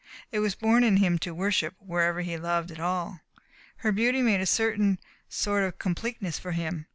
It was born in him to worship wherever he loved at all. Her beauty made a certain sort of completeness for him.